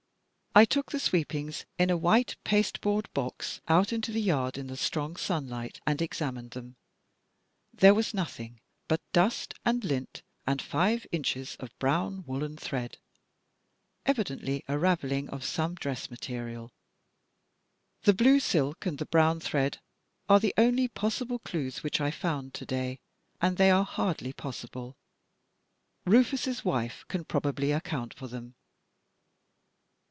I took the sweepings in a white pasteboard box out into the yard in the strong sunlight, and examined them. There was nothing but dust and lint and five inches of brown woollen thread — evi dently a ravelling of some dress material. The blue silk and the brown thread are the only possible dues which I found today and they are hardly possible. Rufus's wife can probably account for them."